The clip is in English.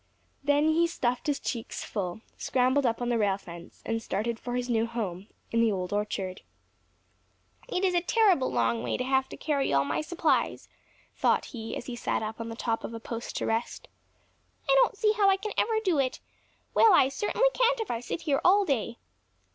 Then he stuffed his cheeks full, scrambled up on the rail fence, and started for his new home in the Old Orchard. "It is a terrible long way to have to carry all my supplies," thought he, as he sat up on the top of a post to rest. "I don't see how I ever can do it. Well, I certainly can't, if I sit here all day!"